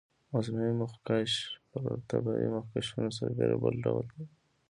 مصنوعي مخکش پر طبیعي مخکشونو سربېره بل ډول دی.